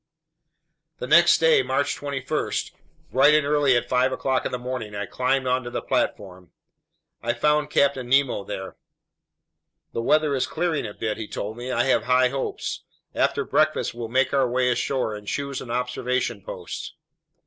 The next day, March 21, bright and early at five o'clock in the morning, I climbed onto the platform. I found Captain Nemo there. "The weather is clearing a bit," he told me. "I have high hopes. After breakfast we'll make our way ashore and choose an observation post."